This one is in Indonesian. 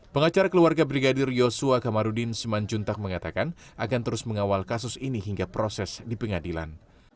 pengacara keluarga brigadir yosua kamarudin simanjuntak mengatakan akan terus mengawal kasus ini hingga proses di pengadilan